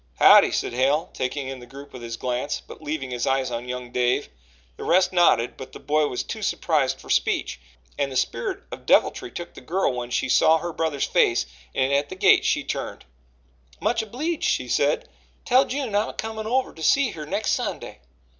"Howdye!" said Hale, taking in the group with his glance, but leaving his eyes on young Dave. The rest nodded, but the boy was too surprised for speech, and the spirit of deviltry took the girl when she saw her brother's face, and at the gate she turned: "Much obleeged," she said. "Tell June I'm a comin' over to see her next Sunday."